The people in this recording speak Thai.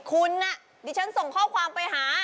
คุณดิฉันส่งข้อความไปหา